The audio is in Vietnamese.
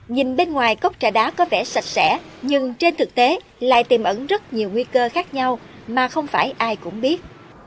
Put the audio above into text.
nhìn bên ngoài cốc trà đá có vẻ sạch sẽ nhưng trên thực tế lại tiềm ẩn rất nhiều nguy cơ khác nhau mà không phải ai cũng biết